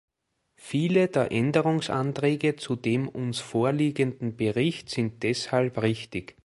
Viele der Änderungsanträge zu dem uns vorliegenden Bericht sind deshalb richtig.